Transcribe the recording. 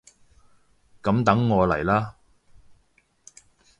噉等我嚟喇！